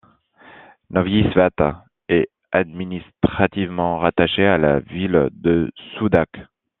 Novyï Svet est administrativement rattachée à la ville de Soudak.